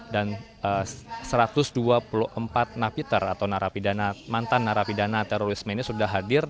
dan satu ratus dua puluh empat napiter atau mantan nara pidana terorisme ini sudah hadir